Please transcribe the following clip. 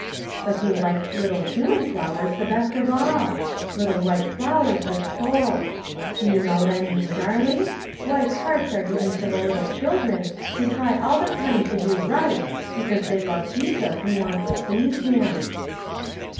But He likes little human flowers the best of all. Little white flowers with souls. Do you know what I mean, darling ? White hearts are given to the little children who try all the time to do right, because they love Jesus, and want to please him."